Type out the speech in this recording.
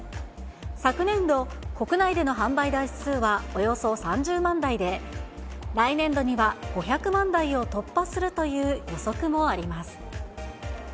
昨年度、国内での販売台数はおよそ３０万台で、来年度には５００万台を突破するという予測もあります。